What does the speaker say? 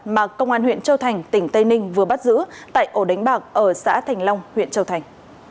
mà công an huyện châu thành tỉnh tây ninh vừa bắt giữ tại ổ đánh bạc ở xã thành long huyện châu thành